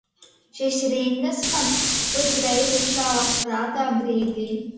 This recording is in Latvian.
Šīs rindas man uzreiz iešāvās prātā brīdī.